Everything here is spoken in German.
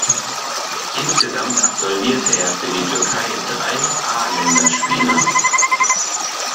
Insgesamt absolvierte er für die Türkei drei A-Länderspiele.